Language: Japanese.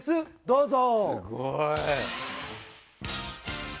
どうぞ。